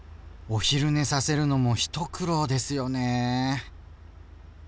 お昼寝させるのも一苦労ですよね。